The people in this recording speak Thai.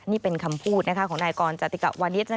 นี่เป็นคำพูดของนายกรจติกะวานิส